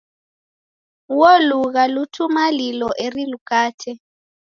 Ulo lugha lutumalilo eri lukate.